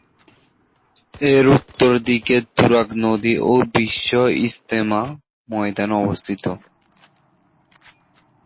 এর উত্তর দিকে তুরাগ নদী ও বিশ্ব ইজতেমা ময়দান অবস্থিত।